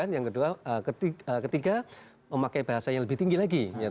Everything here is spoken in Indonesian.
yang ketiga memakai bahasa yang lebih tinggi lagi